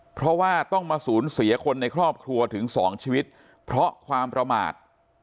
เพราะว่าต้องมาสูญเสียคนในครอบครัวถึงสองชีวิตเพราะความประมาท